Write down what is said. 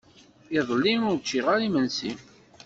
Iḍelli ur ččiɣ ara imensi.